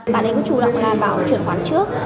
bạn ấy cũng chủ động là bảo chuyển khoản trước